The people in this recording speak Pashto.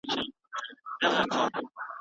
د تخنیکي او جزئي اړخونو تر څنګ، باید ټینګار وسي،